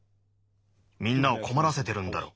「みんなをこまらせてるんだろ」。